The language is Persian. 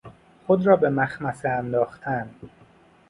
خود را به مخمصه انداختن